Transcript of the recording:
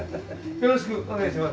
よろしくお願いします。